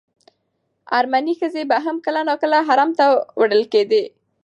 ارمني ښځې به هم کله ناکله حرم ته وړل کېدې.